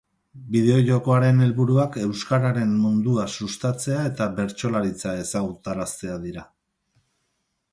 Bideo-jokoaren helburuak euskararen mundua sustatzea eta bertsolaritza ezagutaraztea dira.